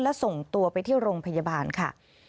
และส่งตัวไปที่โรงพยาบาลค่ะ